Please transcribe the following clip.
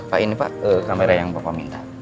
pak ini pak kamera yang bapak minta